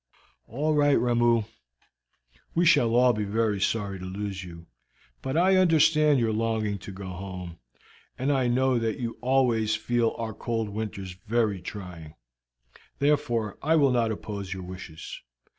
"All right, Ramoo. We shall all be very sorry to lose you, but I understand your longing to go home, and I know that you always feel our cold winters very trying; therefore I will not oppose your wishes.